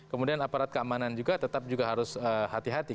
kemudian aparat keamanan juga tetap juga harus hati hati